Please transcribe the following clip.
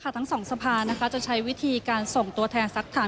ทั้งสองสภาจะใช้วิธีการส่งตัวแทนสักฐาน